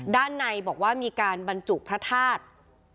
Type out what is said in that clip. ด้านในบอกว่ามีการบรรจุพระธาตุ